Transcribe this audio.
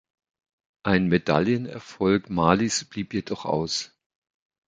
Ein Medaillenerfolg Malis blieb jedoch aus.